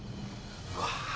うわ。